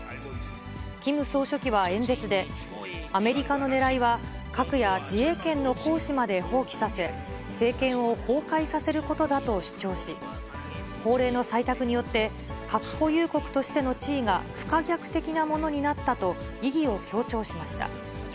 キム総書記は演説で、アメリカのねらいは、核や自衛権の行使まで放棄させ、政権を崩壊させることだと主張し、法令の採択によって、核保有国としての地位が不可逆的なものになったと、意義を強調しました。